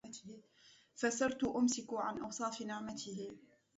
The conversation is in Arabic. فصرت أمسك عن أوصاف نعمته